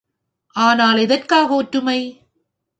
ஆனால், எதற்காக ஒற்றுமை?